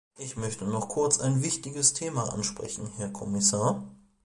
Ich möchte noch kurz ein wichtiges Thema ansprechen, Herr Kommissar.